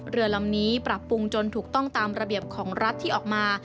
เรือลำนี้ปรับปรุงจนถูกต้องตามระเบียบของรัฐที่ออกมา